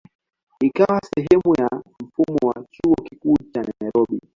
Ikawa sehemu ya mfumo wa Chuo Kikuu cha Nairobi.